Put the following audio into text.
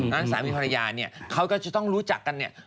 สามีภรรยาเนี่ยเขาก็จะต้องรู้จักกันเนี่ย